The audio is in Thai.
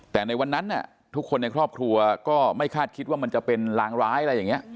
แต่ในวันนั้นทุกคนในครอบครัวก็ไม่คาดคิดว่ามันจะเป็นลางร้ายอะไรอย่างนี้